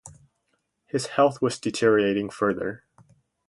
His health was deteriorating further.